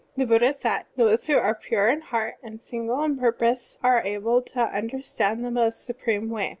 ' The Buddha said :" Those who are pure in heart and single in purpose are able to tmderstand the most supreme Way.